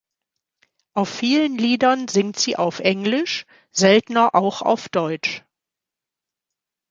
Auf vielen Liedern singt sie auf Englisch, seltener auch auf Deutsch.